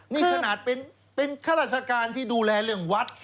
นี่ขนาดเป็นข้าราชการที่ดูแลเรื่องวัด